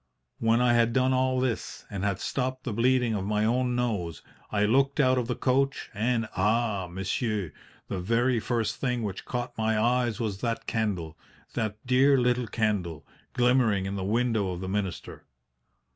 When I had done all this, and had stopped the bleeding of my own nose, I looked out of the coach and ah, monsieur, the very first thing which caught my eyes was that candle that dear little candle glimmering in the window of the minister.